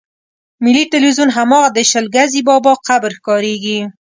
ملي ټلویزیون هماغه د شل ګزي بابا قبر ښکارېږي.